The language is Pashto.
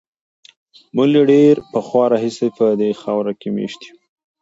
موږ له ډېر پخوا راهیسې په دې خاوره کې مېشت یو.